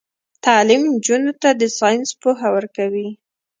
تعلیم نجونو ته د ساينس پوهه ورکوي.